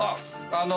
あの。